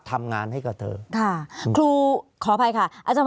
ภารกิจสรรค์ภารกิจสรรค์